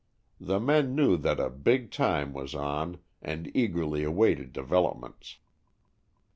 The men knew that a "big time" was on and eagerly awaited develop ments.